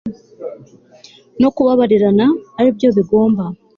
no kubabarirana ari byo bigomba